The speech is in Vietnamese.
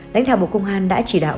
lãnh đạo bộ công an đã chỉ đạo